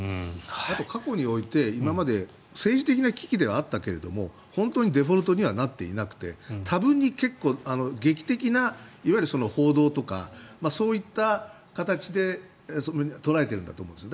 あと、過去において政治的な危機ではあったけど本当にデフォルトにはなっていなくて多分に結構、劇的ないわゆる報道とかそういった形で捉えているんだと思うんですよ。